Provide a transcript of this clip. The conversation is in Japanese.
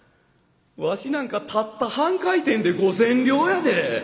わしなんかたった半回転で五千両やで！